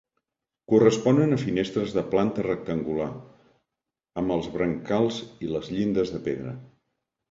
Corresponen a finestres de planta rectangular, amb els brancals i les llindes de pedra.